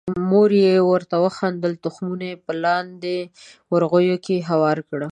مور یې ورته وخندل، تخمونه یې په لانده ورغوي کې هوار کړل.